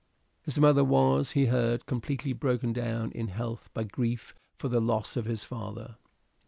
His mother was, he heard, completely broken down in health by grief for the loss of his father.